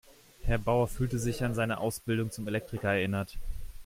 Herr Bauer fühlte sich an seine Ausbildung zum Elektriker erinnert.